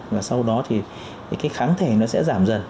và sau đó thì cái kháng thể nó sẽ giảm dần